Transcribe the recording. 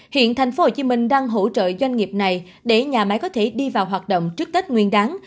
hiện tp hcm đang hỗ trợ doanh nghiệp này để nhà máy có thể đi vào hoạt động trước tết nguyên đáng